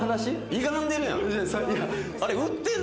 ゆがんでるやん。